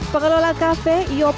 pengelola kafe yopla